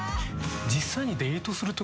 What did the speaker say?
実際に。